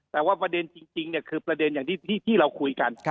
แต่ว่าประเด็นจริงคือประเด็นอย่างที่เราคุยกัน